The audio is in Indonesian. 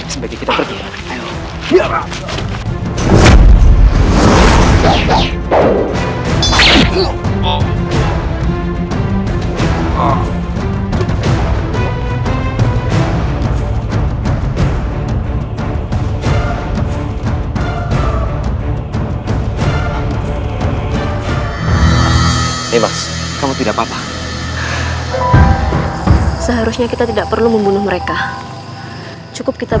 sebaiknya kita pergi